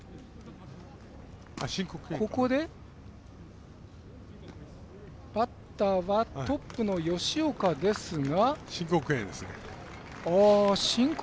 ここでバッターはトップの吉岡ですが。